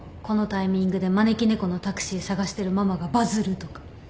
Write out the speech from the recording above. このタイミングで招き猫のタクシー捜してるママがバズるとか。